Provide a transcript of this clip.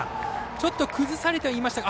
ちょっと崩されてはいましたが。